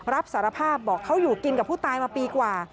รับสารภาพบอกเขาอยู่กินกับผู้ตายมาปีกว่า